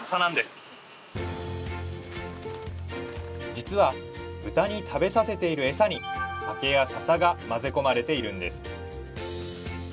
実は豚に食べさせているエサに竹や笹が混ぜ込まれているんです